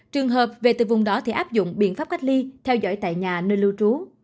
trường hợp về từ vùng đó thì áp dụng biện pháp cách ly theo dõi tại nhà nơi lưu trú